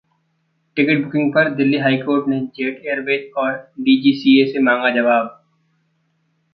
ticket booking पर Delhi high court ने Jet Airways और डीजीसीए से मांगा जवाब